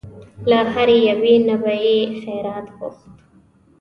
له هرې یوې نه به یې خیرات غوښت.